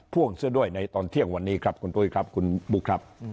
พ่วงเสื้อด้วยในตอนเที่ยงวันนี้ครับคุณปุ๊กครับ